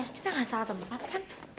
kita gak salah tempat kan